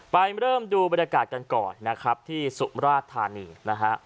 เริ่มดูบรรยากาศกันก่อนนะครับที่สุมราชธานีนะฮะ